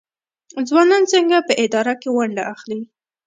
ځوانان څنګه په اداره کې ونډه اخلي؟